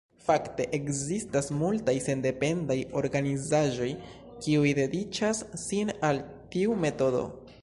Fakte, ekzistas multaj sendependaj organizaĵoj, kiuj dediĉas sin al tiu metodo.